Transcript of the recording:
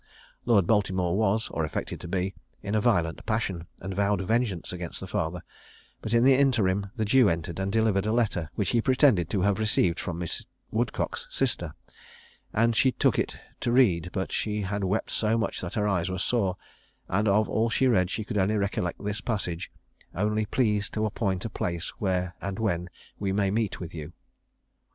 Lord Baltimore was, or affected to be, in a violent passion, and vowed vengeance against the father; but in the interim the Jew entered, and delivered a letter which he pretended to have received from Miss Woodcock's sister, and she took it to read: but she had wept so much that her eyes were sore; and of all she read, she could only recollect this passage: "Only please to appoint a place where and when we may meet with you."